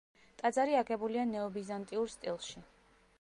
ტაძარი აგებულია ნეობიზანტიურ სტილში.